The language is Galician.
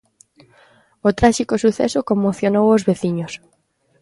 O tráxico suceso conmocionou os veciños.